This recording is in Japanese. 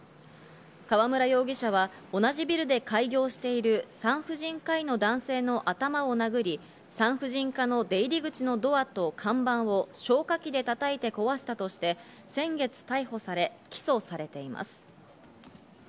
河村容疑者は同じビルで開業している産婦人科医の男性の頭を殴り、産婦人科の出入口のドアと看板を消火器で叩いて壊したとして先月逮捕され、起訴されています。